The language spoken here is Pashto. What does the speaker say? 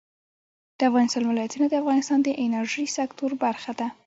د افغانستان ولايتونه د افغانستان د انرژۍ سکتور برخه ده.